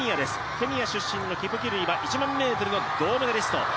ケニア出身のキプキルイは１００００ｍの銅メダリスト。